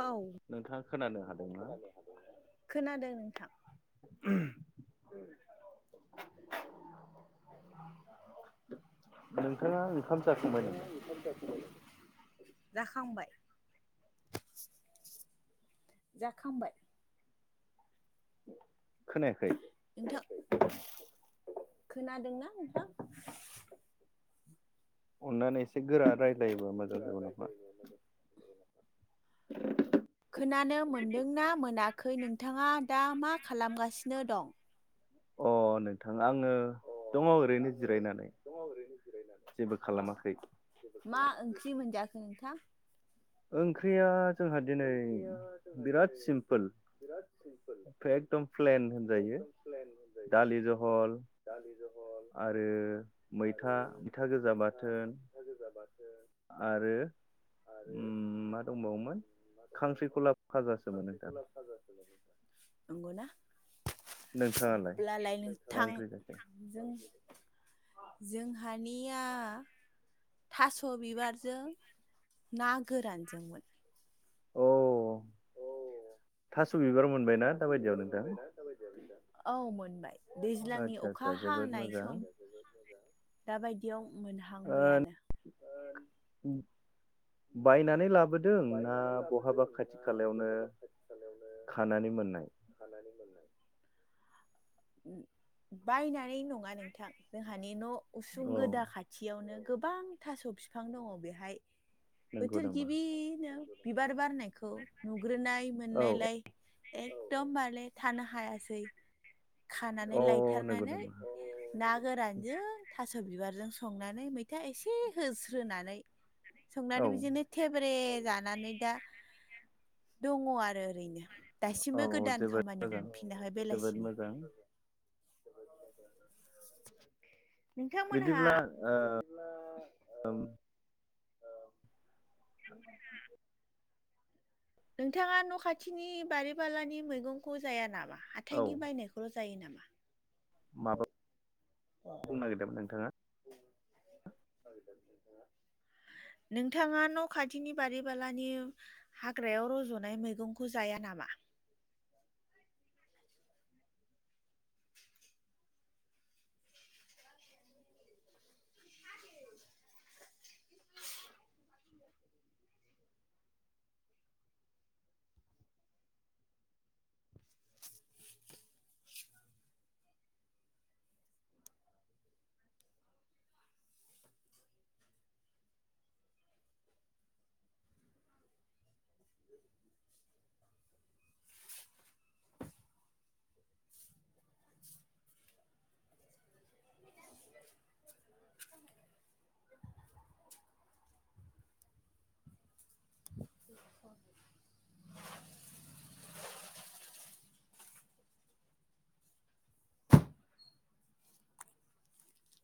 औ नोंथाङा खोनानो हादोंना खोनादों नोंथां [inaudible] नोंथाङा ओंखाम जाखांबाय नामा जाखांबाय जाखांबाय खोनाया नोंथां खोनादोंना नोंथां अननानै एसे गोरा रायजलायोबा मोजां जागोन नामा [inaudible] खोनानो मोनदोंना मोनाखै नोंथाङा दा मा खालामगासिनो दं अ नोंथां आङो दङ ओरैनो जिरायनानै जेबो खालामाखै मा ओंख्रि मोनजाखो नों नोंथां ओंख्रिया जोंहा दिनै बिराद सिमपोल बा एकदम प्लेन होनजायो दालि जहल आरो मैथा मैथा गोजा बाथोन। आरो उम मा दंबावोमोन खांख्रिखला फाजासोमोन नोंथां नंगौना? [unintelligible] नोंथाङालाय अब्लालाय मा नोथां ओंख्रि जाखो जों जोंहा दानिया थास' बिबारजों ना गोरानजोंमोन। अ थास' बिबार मोनबायना दा बायदियाव नोंथां औ मोनबाय। दैज्लांनि आदसा आदसा अखा जोबोद हानाय मोजां सम दाबायदि बेयाव ओ मोनहांबायानो बायनानै लाब बायनानै लाबोदों ना बहाबा खाथि खालायावनो खानानै मोननाय खानानै मोननाय। बायनानै नङा नोंथां जोंहानि न उसुं औ गोदा खाथियावनो गोबां थास' फिफां दङ बेहाय। नंगौ बोथोर नामा गिबि बिबार बारनायखौ नु ग्रोनाय औ मोननायलाय एकदमबारले थानो हायासै खानानै औ नंगौ लायथारनानै नामा ना गोरानजों था स बिबारजों संनानै मैथा एसे होस्रोनानै औ संनानै बिदिनो थेब्रेट जानानै दा दङ आरो ओरैनो औ दासिमबो गोदान जोबोद खामानि मोजां हमफिनाहाय जोबोद बेलासिनि मोजां नोंथांमोनहा बिदिब्ला बिदिब्ला ओम [unintelligible] नोंथाङा न खाथिनि बारि बालानि मैगंखौ जाया नामा? औ हाथायनि बायनायखौल' जायो नामा? माबा अ बुंनो नागिरदोंमोन नोंथाङा नोंथाङा न खाथिनि बारि बालानि हाग्रायाव रजनाय मैगंखौ जाया नामा?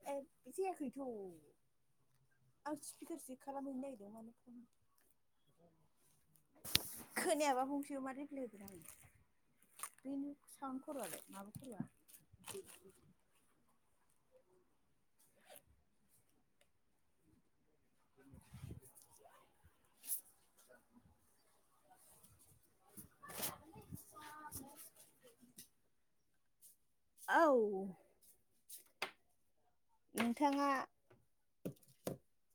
ए जायाखैथ' आं स्पिकारसो खालामहैनो नागिरदों मानो फन खोनायाबा फंसेबो माथो रिप्लाय होगोन आं बेनि साउन्ड खर'आलाय माबा खर'आ [unintelligible] [unintelligible] औ नोंथाङा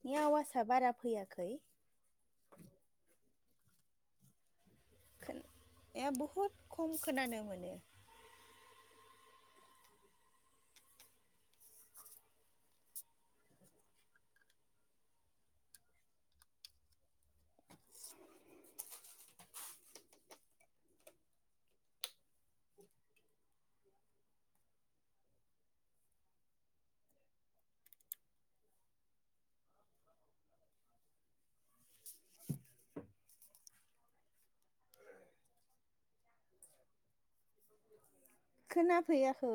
नि आवासआ बारा फैयाखै ए बहुद खम खोनानो मोनो खोनाफैयाखै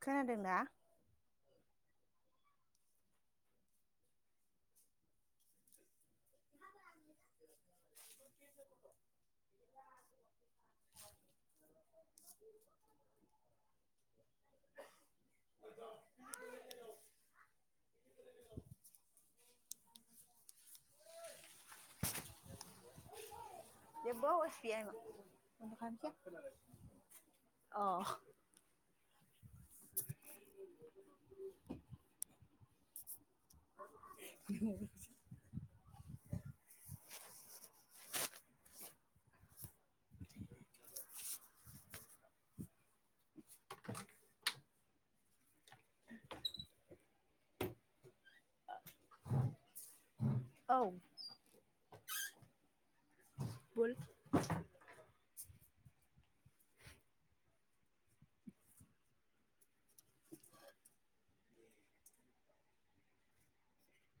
[unintelligible] खोनादों ना [inaudible] जेबो आवास गैया अ बे [inaudible] [unintelligible] औ बल